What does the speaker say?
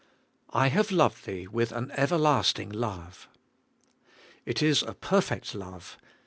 *I have loved thee with an everlasting love. ' It is a perfect love.